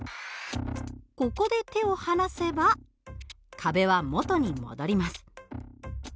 ここで手を離せば壁は元に戻ります。